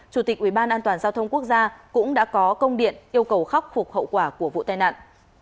chủ tịch ubndg quốc gia cũng đã có công điện yêu cầu khắc phục hậu quả của vụ tai nạn